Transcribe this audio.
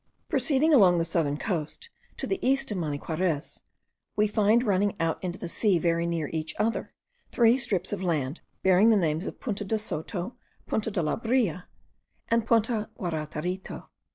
Proceeding along the southern coast, to the east of Maniquarez, we find running out into the sea very near each other, three strips of land, bearing the names of Punta de Soto, Punta de la Brea, and Punta Guaratarito.